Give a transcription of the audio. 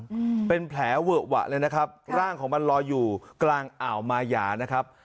อืมเป็นแผลเวอะหวะเลยนะครับร่างของมันลอยอยู่กลางอ่าวมายานะครับ